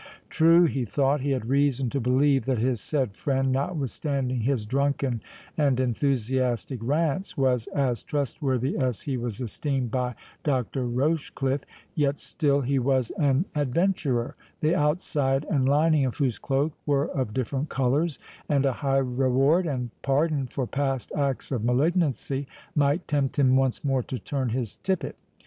True, he thought, he had reason to believe that his said friend, notwithstanding his drunken and enthusiastic rants, was as trustworthy as he was esteemed by Dr. Rochecliffe; yet still he was an adventurer, the outside and lining of whose cloak were of different colours, and a high reward, and pardon for past acts of malignancy, might tempt him once more to turn his tippet.